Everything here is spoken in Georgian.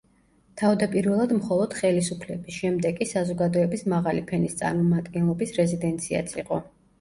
თავდაპირველად მხოლოდ ხელისუფლების, შემდეგ კი საზოგადოების მაღალი ფენის წარმომადგენლობის რეზიდენციაც იყო.